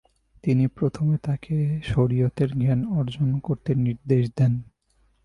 তিনি প্রথমে তাকে শরিয়তের জ্ঞান অর্জন করতে নির্দেশ দেন।